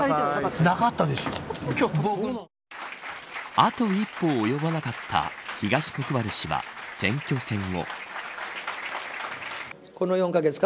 あと一歩及ばなかった東国原氏は選挙戦後。